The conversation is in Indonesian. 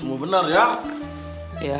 gue tentang kesehatan